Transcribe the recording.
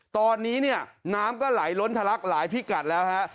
ตอนนี้เนี่ยน้ำก็ไหลล้นทะลักหลายพิกัดแล้วฮะ